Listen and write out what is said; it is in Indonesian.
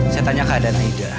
saya tanya keadaan aida